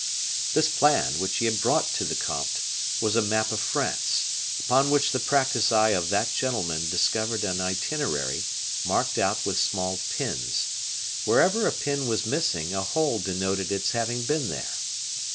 This plan, which he brought to the comte, was a map of France, upon which the practiced eye of that gentleman discovered an itinerary, marked out with small pins; wherever a pin was missing, a hole denoted its having been there.